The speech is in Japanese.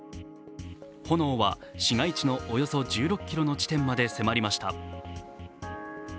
炎は市街地のおよそ１６ｋｍの地点にまで迫りました。